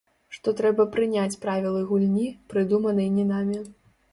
Што трэба прыняць правілы гульні, прыдуманай не намі.